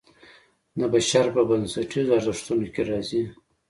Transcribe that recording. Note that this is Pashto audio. د بشر په بنسټیزو ارزښتونو کې راځي.